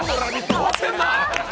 終わってんな！